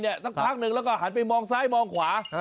สักพักหนึ่งแล้วก็หันไปมองซ้ายมองขวา